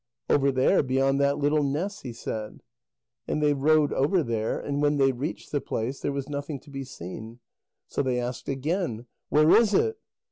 "Over there, beyond that little ness," he said. And they rowed over there, and when they reached the place, there was nothing to be seen. So they asked again: "Where is it?"